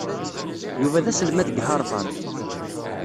Yuba d aselmad deg Harvard.